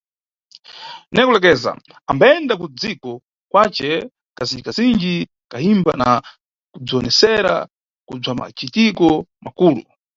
Ne kulekeza, ambayenda kudziko kwace kazindjikazindji kayimba na kabzwiwonesera kubzwamacitiko makulu.